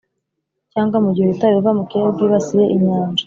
cyangwa mugihe urutare ruva mukirere rwibasiye inyanja.